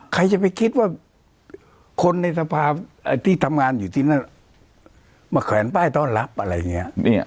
ใครจะไปคิดว่าคนในสภาพที่ทำงานอยู่ที่นั่นมาแขวนป้ายต้อนรับอะไรอย่างนี้